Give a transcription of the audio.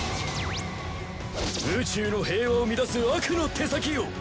宇宙の平和を乱す悪の手先よ。